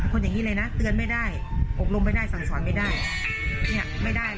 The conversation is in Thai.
เขาจะไม่นี่นี่วิ่งเตือนยิ่งดันต้มกับหลังยิ่งบอกว่าใช่ครั้งนี่ครั้ง